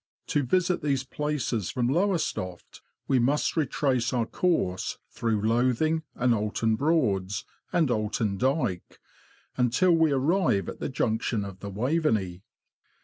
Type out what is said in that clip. To visit these places from Lowes toft, we must retrace our course through Lothing and Oulton Broads, and Oulton Dyke, until we arrive at the junction of the Waveney.